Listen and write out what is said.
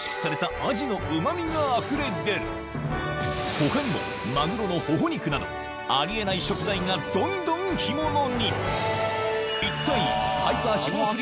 他にもマグロのほほ肉などあり得ない食材がどんどん干物に！